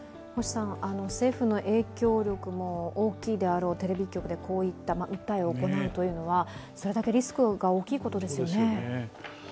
政府の影響力も大きいであろうテレビ局でこういった訴えを行うというのはそれだけリスクが大きいことですよね。